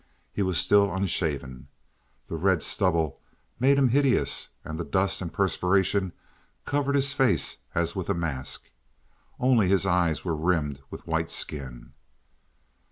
He was still unshaven. The red stubble made him hideous, and the dust and perspiration covered his face as with a mask. Only his eyes were rimmed with white skin.